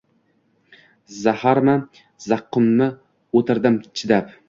Zaharmi, zaqqummi, o‘tirdim chidab.